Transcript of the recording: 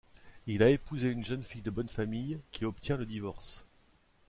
Il a épousé une jeune fille de bonne famille, qui obtient le divorce.